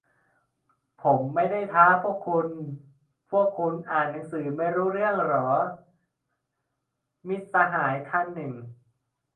"ผมไม่ได้ท้าพวกคุณ พวกคุณอ่านหนังสือไม่รู้เรื่องหรอ" - มิตรสหายท่านหนึ่ง